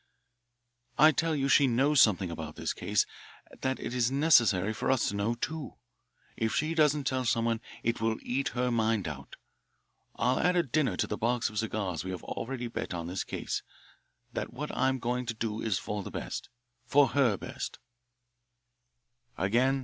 I tell you she knows something about this case that it is necessary for us to know, too. If she doesn't tell someone, it will eat her mind out. I'll add a dinner to the box of cigars we have already bet on this case that what I'm going to do is for the best for her best."